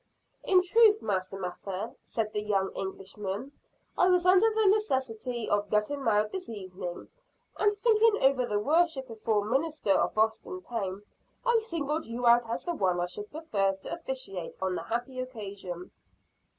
"In truth, Master Mather," said the young Englishman, "I was under the necessity of getting married this evening; and, thinking over the worshipful ministers of Boston town, I singled you out as the one I should prefer to officiate on the happy occasion."